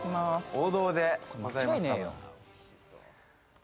王道でございます